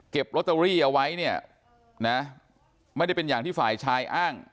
ลอตเตอรี่เอาไว้เนี่ยนะไม่ได้เป็นอย่างที่ฝ่ายชายอ้าง